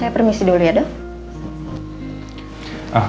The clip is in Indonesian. permisi dulu ya dok